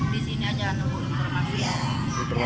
di sini aja nunggu informasi ya